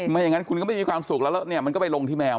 อย่างนั้นคุณก็ไม่มีความสุขแล้วแล้วเนี่ยมันก็ไปลงที่แมว